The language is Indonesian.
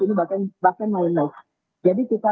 ojo trainee pertama derajatnya